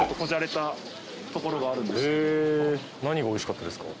何がおいしかったですか？